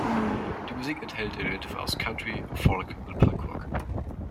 Die Musik enthält Elemente aus Country, Folk und Punkrock.